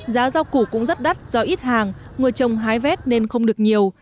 giá rau củ cũng rất đắt do ít hàng người trồng hái vét nên không được nhiều